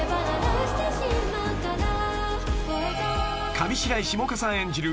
［上白石萌歌さん演じる